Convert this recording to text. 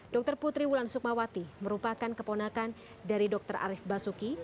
dr putri wulan sukmawati merupakan keponakan dari dr arief basuki